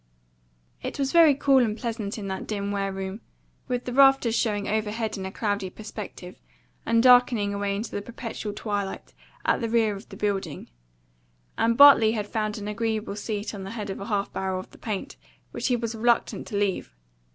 It was very cool and pleasant in that dim wareroom, with the rafters showing overhead in a cloudy perspective, and darkening away into the perpetual twilight at the rear of the building; and Bartley had found an agreeable seat on the head of a half barrel of the paint, which he was reluctant to leave.